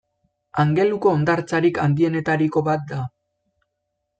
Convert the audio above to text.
Angeluko hondartzarik handienetariko bat da.